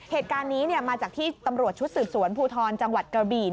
เหตุการณ์นี้มาจากที่ตำรวจชุดสืบสวนภูทรจังหวัดกระบี่